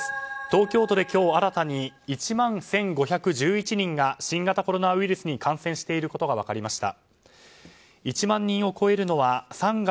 東京都で今日新たに１万１５１１人が新型コロナウイルスに感染していることが分かりました。